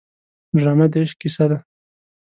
ډرامه د عشق کیسه ده